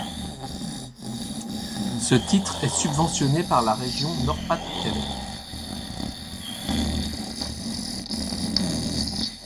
Ce titre est subventionné par la région Nord-Pas-de-Calais.